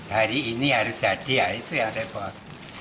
hari ini harus jadi ya itu yang repot